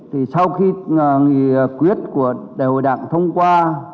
thì sau khi nghị quyết của đại hội đảng thông qua